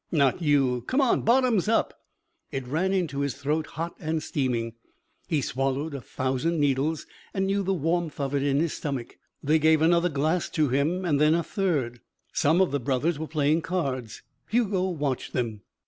"Not you. Come on! Bottoms up!" It ran into his throat, hot and steaming. He swallowed a thousand needles and knew the warmth of it in his stomach. They gave another glass to him and then a third. Some of the brothers were playing cards. Hugo watched them.